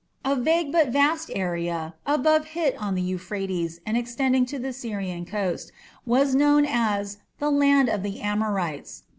A vague but vast area above Hit on the Euphrates, and extending to the Syrian coast, was known as the "land of the Amorites".